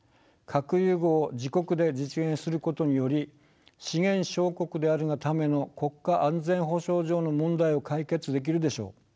核融合を自国で実現することにより資源小国であるがための国家安全保障上の問題を解決できるでしょう。